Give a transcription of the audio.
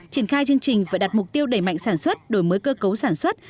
triển khai chương trình phải đặt mục tiêu đẩy mạnh sản xuất đổi mới cơ cấu sản xuất